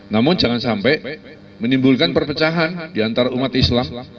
namun jangan sampai menimbulkan perpecahan diantara umat islam